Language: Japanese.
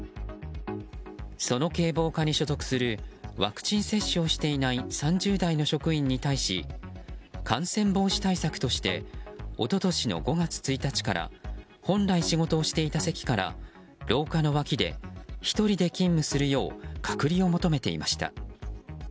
その警防課に所属するワクチン接種をしていない３０代の職員に対し感染防止対策として一昨年の５月１日から本来、仕事をしていた席から廊下の脇で１人で勤務するよう隔離を求めていました。